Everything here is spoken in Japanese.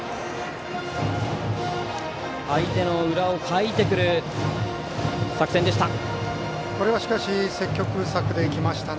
相手の裏をかいてくる作戦でした。